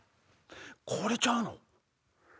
これちゃうの？